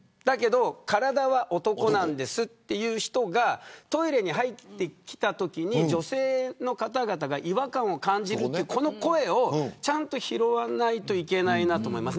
体は男なんですという人がトイレに入ってきたときに女性の方々が違和感を感じるという声をちゃんと拾わないといけないと思います。